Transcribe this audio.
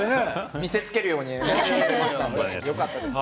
見せつけるようにやっていましたのでよかったです。